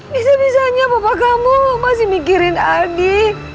bisa bisanya papa kamu masih mikirin aldi